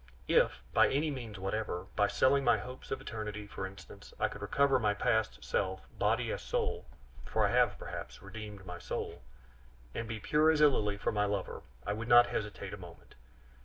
If, by any means whatever, by selling my hopes of eternity, for instance, I could recover my past self, body as soul (for I have, perhaps, redeemed my soul), and be pure as a lily for my lover I would not hesitate a moment!